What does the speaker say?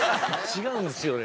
違うんですよね。